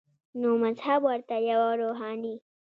نو مذهب ورته یوه روحاني